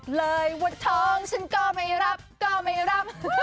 เลยว่าท้องฉันก็ไม่รับก็ไม่รับ